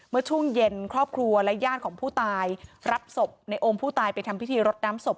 เมื่อช่วงเย็นครอบครัวและญาติของผู้ตายรับศพในโอมผู้ตายไปทำพิธีรดน้ำศพ